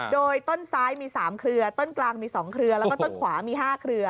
โดยต้นซ้ายมี๓เครือต้นกลางมี๒เครือแล้วก็ต้นขวามี๕เครือ